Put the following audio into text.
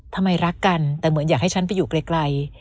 รักกันแต่เหมือนอยากให้ฉันไปอยู่ไกล